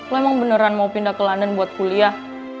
lo emang beneran mau pindah ke london buat kuliah